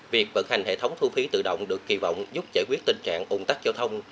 việc vận hành hệ thống thu phí tự động được kỳ vọng giúp giải quyết tình trạng ủng tắc giao thông